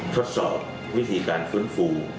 ทดสอบวิธีการฟื้นฟู